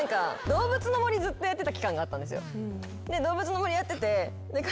『どうぶつの森』やってて。